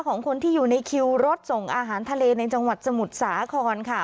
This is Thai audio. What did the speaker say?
ของคนที่อยู่ในคิวรถส่งอาหารทะเลในจังหวัดสมุทรสาครค่ะ